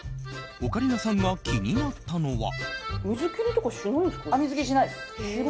オカリナさんが気になったのは。